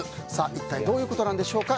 一体どういうことなんでしょうか。